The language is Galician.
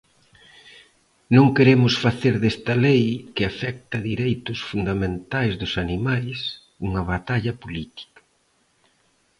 Non queremos facer desta lei, que afecta dereitos fundamentais dos animais, unha batalla política.